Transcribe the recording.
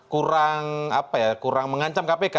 kurang apa ya kurang mengancam kpk